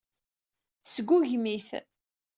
Tesgugem-it.